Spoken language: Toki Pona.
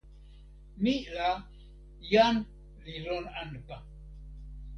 mi la, jan li lon anpa.